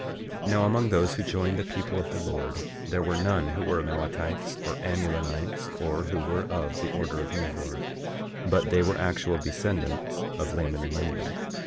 24:29 Now, among those who joined the people of the Lord, there were none who were Amalekites or Amulonites, or who were of the order of Nehor, but they were actual descendants of Laman and Lemuel.